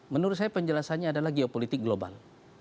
menurut saya penjelasannya adalah geopolitik global